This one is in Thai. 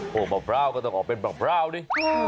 มะพร้าวก็ต้องออกเป็นมะพร้าวดิ